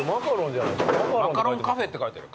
マカロンカフェって書いてある。